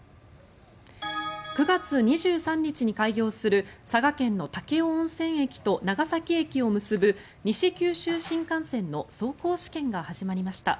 ９月２３日に開業する佐賀県の武雄温泉駅と長崎駅を結ぶ西九州新幹線の走行試験が始まりました。